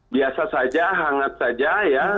biasa saja hangat saja ya